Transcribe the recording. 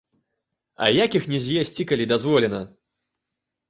А як іх не з'есці, калі дазволена?